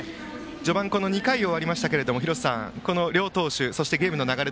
序盤２回を終わりましたがこの両投手、そしてゲームの流れ